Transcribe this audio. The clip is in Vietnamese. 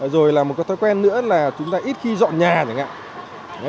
rồi là một thói quen nữa là chúng ta ít khi dọn nhà